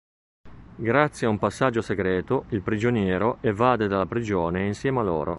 Grazie a un passaggio segreto il Prigioniero evade dalla prigione insieme a loro.